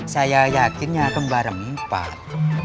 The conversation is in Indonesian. saya yakinnya kembar empat